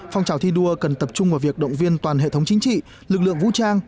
phong trào thi đua cần tập trung vào việc động viên toàn hệ thống chính trị lực lượng vũ trang